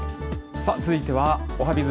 さあ、続いてはおはＢｉｚ。